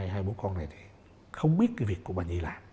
hai bố con này thì không biết cái việc của bà gì làm